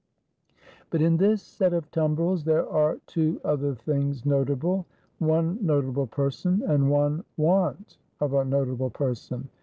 But in this set of Tumbrels there are two other things notable : one notable person ; and one want of a nota ble person.